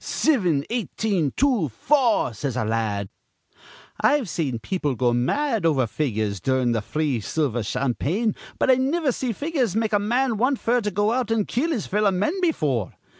'Sivin, eighteen, two, four,' says a la ad. I've seen people go mad over figures durin' th' free silver campaign, but I niver see figures make a man want f'r to go out an' kill his fellow men befure.